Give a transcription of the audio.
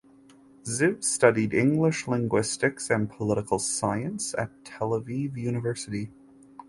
Ziv studied English linguistics and political science at Tel Aviv University.